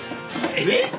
えっ！？